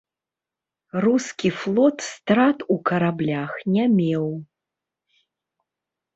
Рускі флот страт у караблях не меў.